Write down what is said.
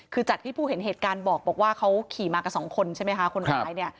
คือจากที่ผู้เห็นเหตุการณ์บอกว่าเขาขี่มากับสองคนใช่ไหมคะคนร้ายเนี่ย